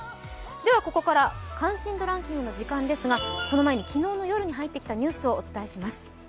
ここから、「関心度ランキング」の時間ですが、その前に昨日の夜に入ってきたニュースをお伝えします。